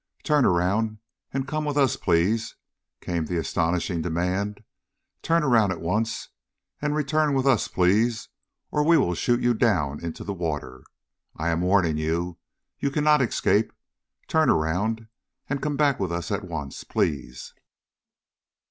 "Turn around and come with us, please!" came the astonishing demand. "Turn around at once, and return with us, please, or we will shoot you down into the water. I am warning you. You cannot escape. Turn around, and come back with us at once, please!"